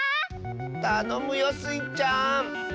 たのむよスイちゃん！